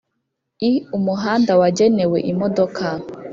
iumuhanda wagenewe imodoka